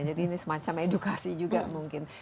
jadi ini semacam edukasi juga mungkin